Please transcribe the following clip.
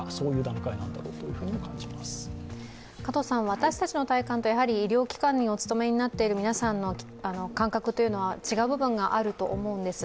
私たちの体感と医療機関にお勤めの皆さんの感覚というのは違う部分があると思うんです。